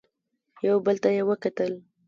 يو بل ته يې وکتل.